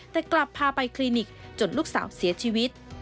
แต่กลับพาไปคลินิกจนลูกสาวเสียชีวิต